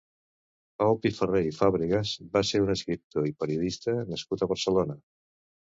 Pau Piferrer i Fàbregas va ser un escriptor i periodista nascut a Barcelona.